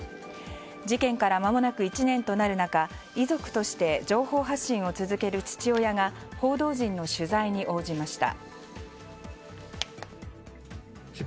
事件から、まもなく１年となる中遺族として情報発信を続ける父親が報道陣の取材に応じました。